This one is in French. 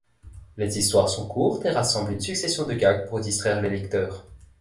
Les histoires sont courtes et rassemblent une succession de gags pour distraire les lecteurs.